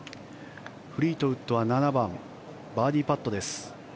フリートウッドは７番バーディーパットです。